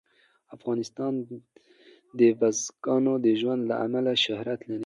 افغانستان د بزګانو د ژوند له امله شهرت لري.